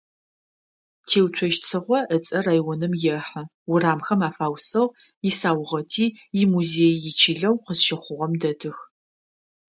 Теуцожь Цыгъо ыцӀэ районым ехьы, урамхэм афаусыгъ, исаугъэти, имузеий ичылэу къызщыхъугъэм дэтых.